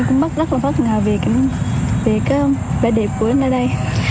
em cũng mất rất là phát ngờ về cái vẻ đẹp của anh ở đây